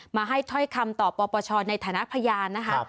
มาให้ถ้อยคำต่อปปชในฐานะพยานนะคะ